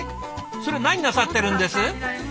それ何なさってるんです？